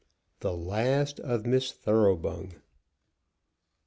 THE LAST OF MISS THOROUGHBUNG.